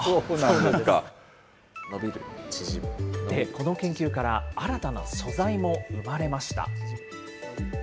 この研究から新たな素材も生まれました。